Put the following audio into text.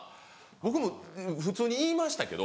僕も普通に言いましたけど。